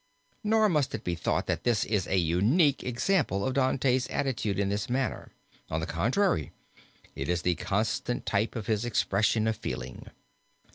Nor must it be thought that this is a unique example of Dante's attitude in this matter; on the contrary, it is the constant type of his expression of feeling.